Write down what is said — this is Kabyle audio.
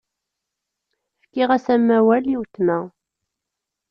Fkiɣ-as amawal i uletma.